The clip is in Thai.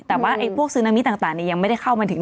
แต่ว่าพวกซึนามิต่างยังไม่ได้เข้ามาถึง